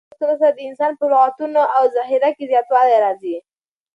د کتاب په لوستلو سره د انسان په لغتونو او ذخیره کې زیاتوالی راځي.